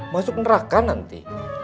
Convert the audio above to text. masuk neraka nanti